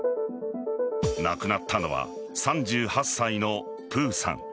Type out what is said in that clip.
亡くなったのは３８歳のプーさん。